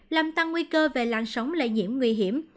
làm tăng nguy cơ về làn sóng lây nhiễm nguy hiểm